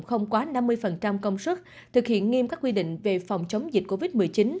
không quá năm mươi công sức thực hiện nghiêm các quy định về phòng chống dịch covid một mươi chín